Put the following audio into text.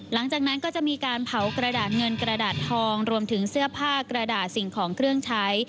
หลังจากนั้นก็จะมีการเผากระดาษเงินกระดาษทองรวมถึงเสื้อผ้ากระดาษสิ่งของเครื่องใช้